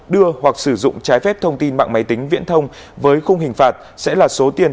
đưa hoặc sử dụng trái phép thông tin mạng máy tính viễn thông với khung hình phạt sẽ là số tiền